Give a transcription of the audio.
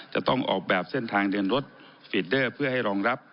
จะต้องออกแบบเส้นทางเดินรถฟีดเดอร์เพื่อให้รองรับ